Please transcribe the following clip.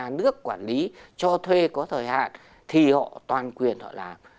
nhà nước quản lý cho thuê có thời hạn thì họ toàn quyền họ làm